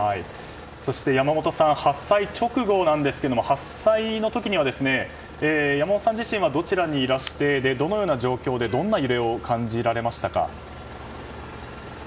そして山本さん発災直後なんですけれどもその時には山本さん自身はどちらにいらしてどのような状況でどのような揺れを感じられましたか？